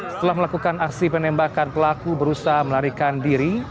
setelah melakukan aksi penembakan pelaku berusaha melarikan diri